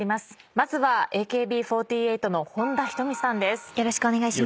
まずは「ＡＫＢ４８」の本田仁美さんです。